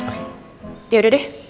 oke yaudah deh